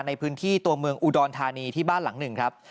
ในพื้นที่ตัวเมืองอุดรธานีที่บ้านหลังหนึ่งครับ